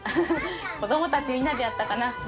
子供たちみんなでやったかな。